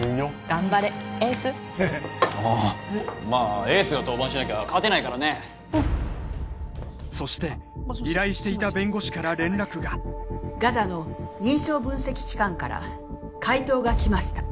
頑張れエースああまあエースが登板しなきゃ勝てないからねそして依頼していた弁護士から連絡がＧＡＤＡの認証分析機関から回答が来ました